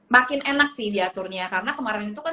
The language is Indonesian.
makin enak sih diaturnya karena kemarin itu kan